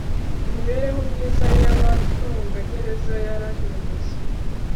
imibereho myiza y abacungagereza yarahindutse